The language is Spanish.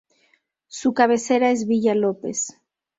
Su cabecera es Villa López.